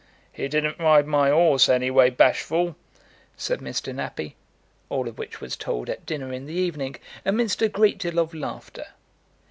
"He didn't ride my 'orse anyway bashful," said Mr. Nappie; all of which was told at dinner in the evening, amidst a great deal of laughter.